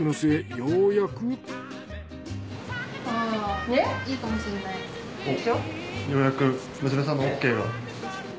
ようやく娘さんのＯＫが。